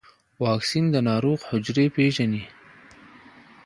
واکسین د ناروغ حجرې پېژني.